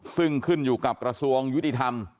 ซึ่งขึ้นอยู่กับกระทรวงยุติธรรม